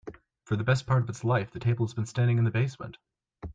For the best part of its life, the table has been standing in the basement.